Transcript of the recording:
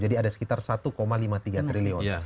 jadi ada sekitar satu lima puluh tiga triliun